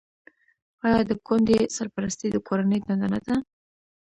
آیا د کونډې سرپرستي د کورنۍ دنده نه ده؟